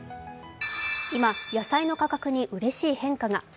今、野菜の価格にうれしい変化が。